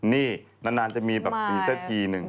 นี่นานจะมีแบบวินเตอร์ทีหนึ่ง